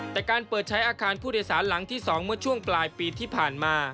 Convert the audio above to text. แต่การเปิดใช้อาคารผู้โดยสารหลังที่๒เมื่อช่วงปลายปีที่ผ่านมา